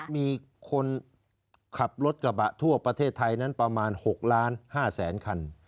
มีคนขับรถกระบะทั่วประเทศไทยนั้นประมาณ๖ล้าน๕แสนคัน